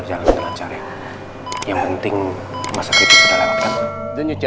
dan kemungkinan terburuknya